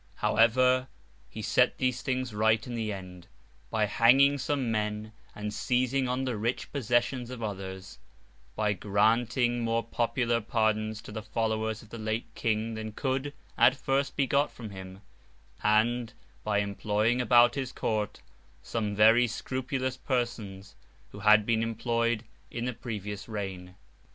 However, he set these things right in the end, by hanging some men and seizing on the rich possessions of others; by granting more popular pardons to the followers of the late King than could, at first, be got from him; and, by employing about his Court, some very scrupulous persons who had been employed in the previous reign.